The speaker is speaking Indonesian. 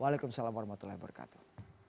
waalaikumsalam warahmatullahi wabarakatuh